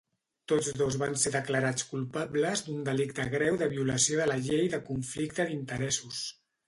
Tots dos van ser declarats culpables d'un delicte greu de violació de la llei de conflicte d'interessos.